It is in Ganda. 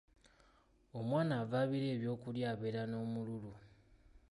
Omwana avaabira ebyokulya abeera n'omululu.